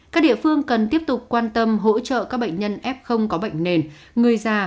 các địa phương cần tiếp tục quan tâm hỗ trợ các bệnh nhân f có bệnh nền người già